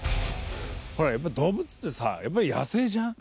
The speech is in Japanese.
ほらやっぱ動物ってさ野生じゃん。